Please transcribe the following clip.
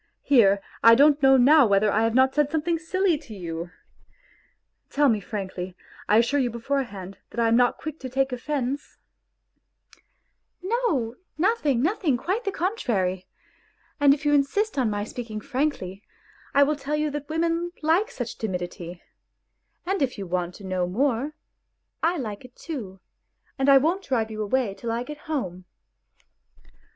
Here, I don't know now whether I have not said something silly to you ! Tell me frankly; I assure you beforehand that I am not quick to take offence ?..."" No, nothing, nothing, quite the contrary. And if you insist on my speaking frankly, I will tell you that women like such timidity; and if you want to know more, I like it too, and I won't drive you away till I get home."